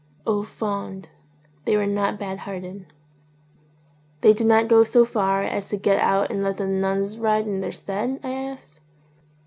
Aw fond, they were not bad hearted. "They do not go so far as to get out and let the nuns ride in their stead?" I asked.